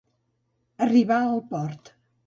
Arribar al port.